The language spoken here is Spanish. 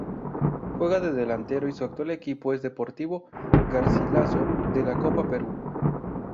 Juega de delantero y su actual equipo es Deportivo Garcilaso de la Copa Perú.